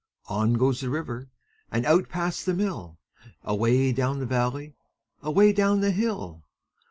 On goes the river And out past the mill, Away down the valley, Away down the hill.